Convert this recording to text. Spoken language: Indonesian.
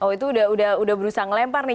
oh itu udah berusaha ngelempar nih